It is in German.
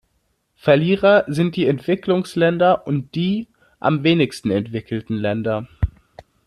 Verlierer sind die Entwicklungsländer und die am wenigsten entwickelten Länder.